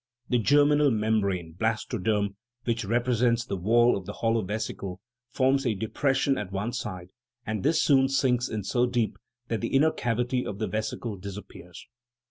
The germinal membrane (blastoderm), which represents the wall of the hollow vesicle, forms a depression at one side, and this soon sinks in so deep that the inner cavity of the vesicle disappears.